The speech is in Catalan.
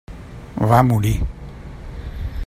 Va morir.